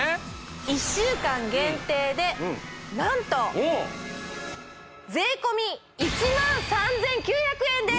１週間限定で何と税込１３９００円です！